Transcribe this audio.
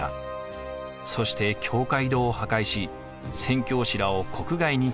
そして教会堂を破壊し宣教師らを国外に追放したのです。